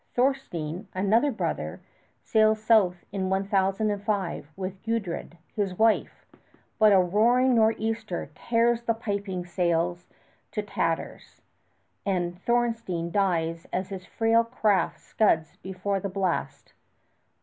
Thornstein, another brother, sails south in 1005 with Gudrid, his wife; but a roaring nor'easter tears the piping sails to tatters, and Thornstein dies as his frail craft scuds before the blast.